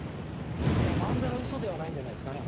まんざら嘘ではないんじゃないですかね。